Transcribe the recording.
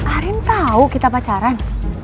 arin tau kita pacaran